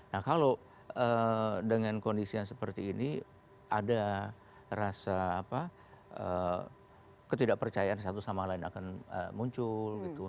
nah kalau dengan kondisi yang seperti ini ada rasa ketidakpercayaan satu sama lain akan muncul gitu